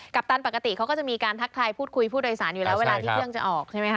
ตันปกติเขาก็จะมีการทักทายพูดคุยผู้โดยสารอยู่แล้วเวลาที่เครื่องจะออกใช่ไหมคะ